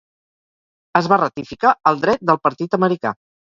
Es va ratificar el dret del partit americà.